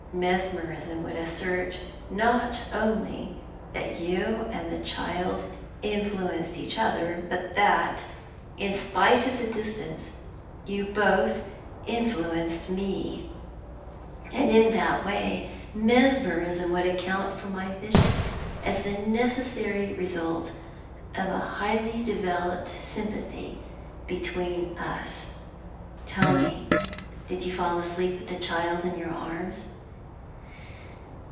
Mesmerism would assert, not only that you and the child influenced each other, but that in spite of the distance you both influenced me. And in that way, mesmerism would account for my vision as the necessary result of a highly developed sympathy between us. Tell me, did you fall asleep with the child in your arms?"